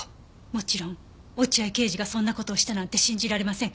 もちろん落合刑事がそんな事をしたなんて信じられません。